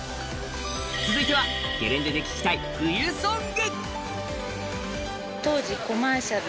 続いては、「ゲレンデで聴きたい冬ソング」。